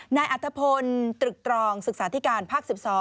นายอัตภพลตรึกตรองศึกษาธิการภาค๑๒